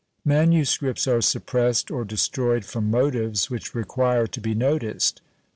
Manuscripts are suppressed or destroyed from motives which require to be noticed.